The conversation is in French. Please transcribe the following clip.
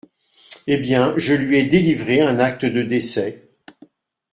Eh bien, je lui ai délivré un acte de décès.